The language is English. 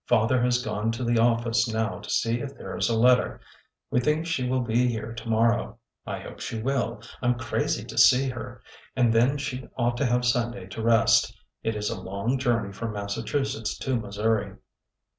Father has gone to the office now to see if there is a letter. We think she will be here to morrow. I hope she will— I 'm crazy to see her. And then she ought to have Sunday to rest. It is a long journey from Massachusetts to Missouri."